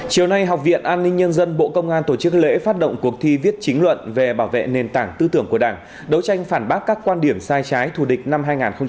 chiều nay học viện an ninh nhân dân bộ công an tổ chức lễ phát động cuộc thi viết chính luận về bảo vệ nền tảng tư tưởng của đảng đấu tranh phản bác các quan điểm sai trái thù địch năm hai nghìn hai mươi ba